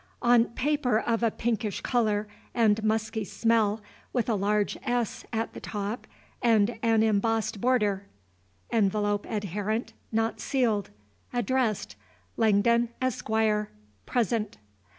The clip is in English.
On paper of a pinkish color and musky smell, with a large "S" at the top, and an embossed border. Envelop adherent, not sealed. Addressed LANGDON ESQ. Present.